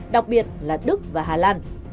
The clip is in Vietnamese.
đặc biệt là đức và hà lan